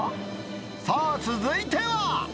さあ、続いては。